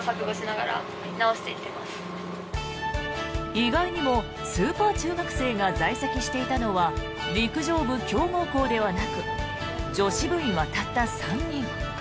意外にもスーパー中学生が在籍していたのは陸上部強豪校ではなく女子部員はたった３人。